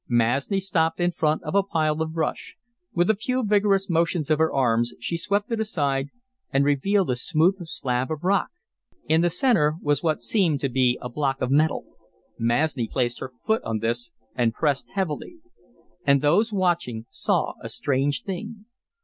Masni stopped in front of a pile of brush. With a few vigorous motions of her arms she swept it aside and revealed a smooth slab of rock. In the centre was what seemed to be a block of metal Masni placed her foot on this and pressed heavily. And those watching saw a strange thing.